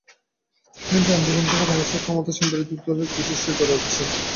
থাইল্যান্ডের আন্দোলন থেকে বাংলাদেশের ক্ষমতাসীন ও বিরোধী দলের অনেক কিছু শেখার আছে।